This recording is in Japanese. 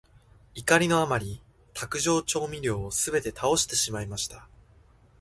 怒りのあまり、卓上調味料をすべて倒してしまいました。